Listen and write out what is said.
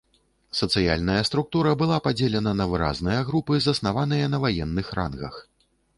Сацыяльная структура была падзелена на выразныя групы, заснаваныя на ваенных рангах.